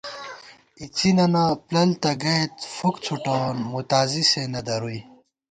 اِڅِنَنَہ پَل تہ گَئیت، فُک څُھٹَوون مُتازِی سے نہ درُوئی